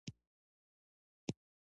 هغه له باد او لمر سره خبرې کوي.